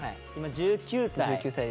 今１９歳。